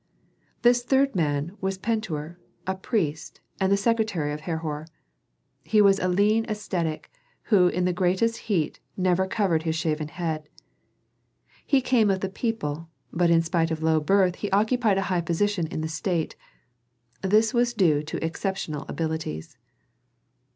This third man was Pentuer, a priest, and the secretary of Herhor. He was a lean ascetic who in the greatest heat never covered his shaven head. He came of the people, but in spite of low birth he occupied a high position in the state; this was due to exceptional abilities.